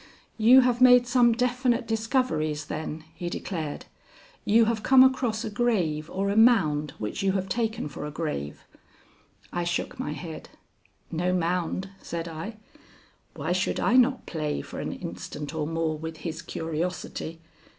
"You have made some definite discoveries, then," he declared. "You have come across a grave or a mound which you have taken for a grave." I shook my head. "No mound," said I. Why should I not play for an instant or more with his curiosity?